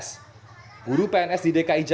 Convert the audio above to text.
setiap tahun guru honorer di dki jakarta berguna